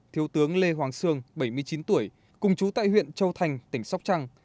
thiếu tướng lê hoàng sương bảy mươi chín tuổi cùng chú tại huyện châu thành tỉnh sóc trăng